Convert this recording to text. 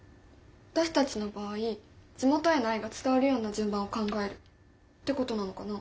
私たちの場合地元への愛が伝わるような順番を考えるってことなのかな。